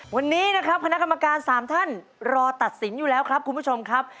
วันนี้นะครับคณะกรรมการ๓ท่านรอตัดสินอยู่แล้วครับคุณผู้ชมครับ